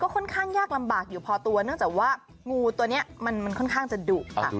ค่อนข้างยากลำบากอยู่พอตัวเนื่องจากว่างูตัวนี้มันค่อนข้างจะดุค่ะ